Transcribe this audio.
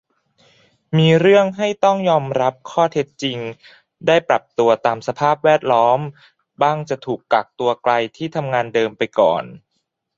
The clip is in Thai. มีเรื่องให้ต้องยอมรับข้อเท็จจริง ได้ปรับตัวตามสภาพแวดล้อม บ้างจะถูกกักตัวไกลที่ทำงานเดิมไปก่อน